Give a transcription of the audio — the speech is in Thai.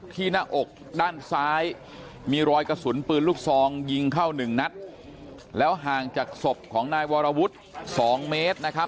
หน้าอกด้านซ้ายมีรอยกระสุนปืนลูกซองยิงเข้าหนึ่งนัดแล้วห่างจากศพของนายวรวุฒิสองเมตรนะครับ